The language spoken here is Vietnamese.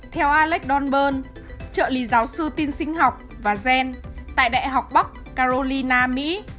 theo alex donberl trợ lý giáo sư tin sinh học và gen tại đại học bắc carolina mỹ